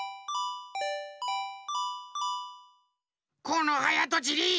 このはやとちり！